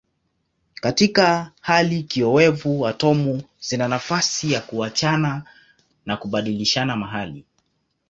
Katika hali kiowevu atomu zina nafasi ya kuachana na kubadilishana mahali.